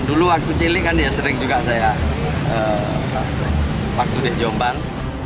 dulu waktu cilik kan ya sering juga saya waktu di jombang